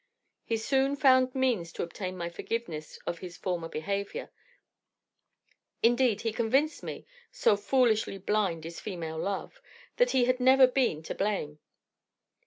He soon found means to obtain my forgiveness of his former behaviour; indeed, he convinced me, so foolishly blind is female love, that he had never been to blame.